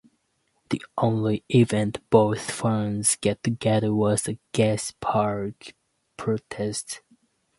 The only event both fans get together was the Gezi Park protests.